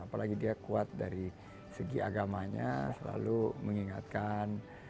apalagi dia kuat dari segi agamanya selalu mengingatkan